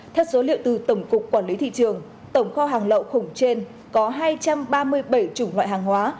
theo số liệu từ tổng cục quản lý thị trường tổng kho hàng lậu khủng trên có hai trăm ba mươi bảy chủng loại hàng hóa